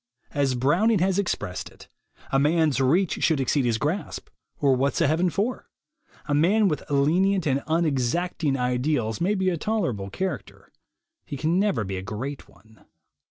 As Browning has expressed it, "A man's reach should exceed his grasp, or what's a heaven for?" A man with lenient and unexacting ideals may be a tolerable character; he can never be a great one.